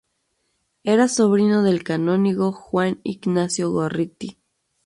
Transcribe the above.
Era sobrino del canónigo Juan Ignacio Gorriti.